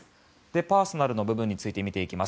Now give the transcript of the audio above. パーソナルな部分について見ていきます。